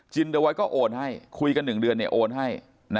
จินเดอร์ไวท์ก็โอนให้คุยกัน๑เดือนโอนให้